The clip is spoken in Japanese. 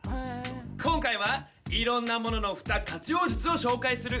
今回はいろんなもののフタ活用術を紹介する。